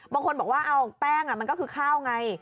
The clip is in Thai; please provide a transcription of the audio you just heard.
บางคนบอกว่าเอาแป้งมันก็คือข้าวไง